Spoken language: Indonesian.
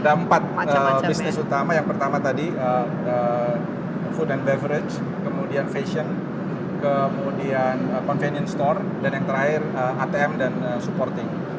ada empat bisnis utama yang pertama tadi food and beverage kemudian fashion kemudian convenience store dan yang terakhir atm dan supporting